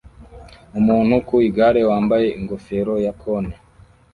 Umuntu ku igare wambaye ingofero ya cone